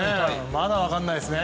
まだ分からないですね。